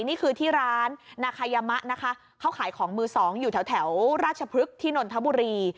นี่คือที่ร้านนาคายามะนะคะเขาขายของมือสองอยู่แถวราชพฤกษ์ที่นนทบุรี